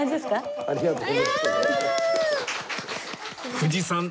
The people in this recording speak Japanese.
藤さん